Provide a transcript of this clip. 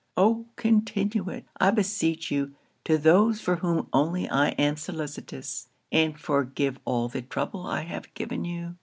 oh, continue it, I beseech you, to those for whom only I am solicitous, and forgive all the trouble I have given you!'